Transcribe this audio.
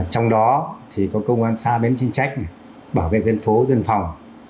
trong đó thì có công an xa bến chính trách bảo vệ dân phố dân phòng